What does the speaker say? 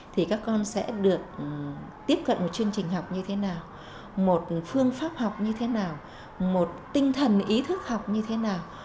thì các con sẽ được tiếp cận một chương trình học như thế nào một phương pháp học như thế nào một tinh thần ý thức học như thế nào